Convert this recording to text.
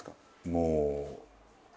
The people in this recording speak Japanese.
もう。